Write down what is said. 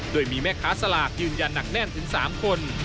โดยมีแม่ค้าสลากยืนยันหนักแน่นถึง๓คน